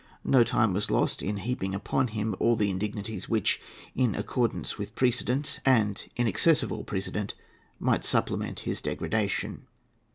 No time was lost in heaping upon him all the indignities which, in accordance with precedent and in excess of all precedent, might supplement his degradation.